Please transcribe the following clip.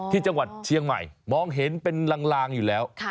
ที่จังหวัดเชียงใหม่มองเห็นเป็นลางอยู่แล้ว